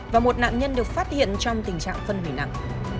và một nạn nhân được phát hiện trong tình trạng phân hủy nặng